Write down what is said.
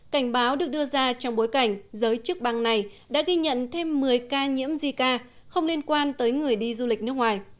cảnh báo được đưa ra trong bối cảnh giới chức bang này đã ghi nhận thêm một mươi ca nhiễm zika không liên quan tới người đi du lịch nước ngoài